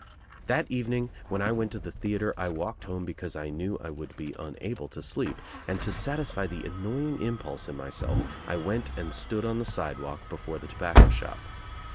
That evening when I went to the theatre I walked home because I knew I would be unable to sleep, and to satisfy the annoying impulse in myself I went and stood on the sidewalk before the tobacco shop.